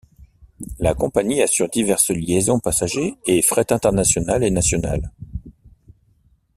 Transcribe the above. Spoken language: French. La compagnie assure diverses liaisons passager et fret internationales et nationales.